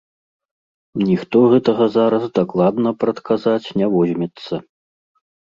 Ніхто гэтага зараз дакладна прадказаць не возьмецца.